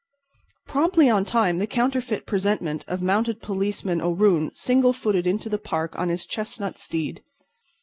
Promptly on time the counterfeit presentment of Mounted Policeman O'Roon single footed into the Park on his chestnut steed.